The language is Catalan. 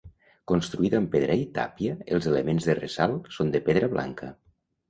Construïda amb pedra i tàpia, els elements de ressalt són de pedra blanca.